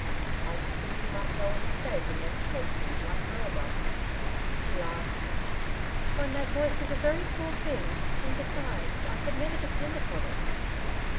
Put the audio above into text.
'I should think you might go on the stage and make a fortune like Melba.' She laughed. 'Why my voice is a very poor thing. And besides, I could never depend upon it.'